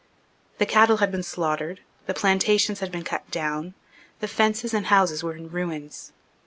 The cattle had been slaughtered: the plantations had been cut down: the fences and houses were in ruins.